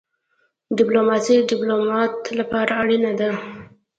ډيپلوماسي د ډيپلومات لپاره اړینه ده.